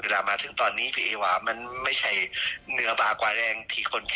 เวลามาถึงตอนนี้พี่เอ๋อยาจริง